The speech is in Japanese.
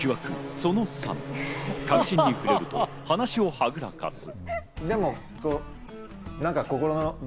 その３、核心に触れると話をはぐらかす。